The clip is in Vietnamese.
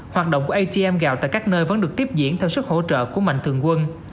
hoạt động của atm gạo tại các nơi vẫn được tiếp diễn theo sức hỗ trợ của mạnh thường quân